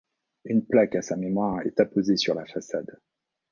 Une plaque à sa mémoire est apposée sur la façade.